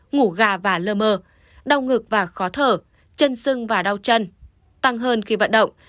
ngủ gà và lơ mơ đau ngực và khó thở chân sưng và đau chân tăng hơn khi vận động